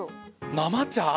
生茶！